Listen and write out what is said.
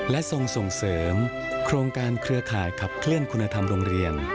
และทรงส่งเสริมโครงการเครือข่ายขับเคลื่อนคุณธรรมโรงเรียน